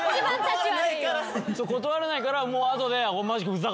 断れないから後で。